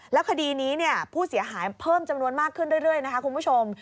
แล้วคดีนี้ผู้เสียหายเพิ่มจำนวนมากขึ้นเรื่อยนะคะคุณผู้ชม